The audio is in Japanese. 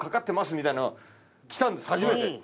みたいなのが来たんです初めて。